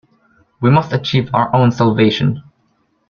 We must achieve our own salvation.